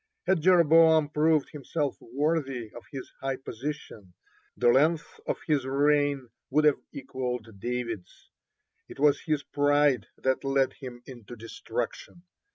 (7) Had Jeroboam proved himself worthy of his high position, the length of his reign would have equalled David's. (8) It was his pride that led him into destruction.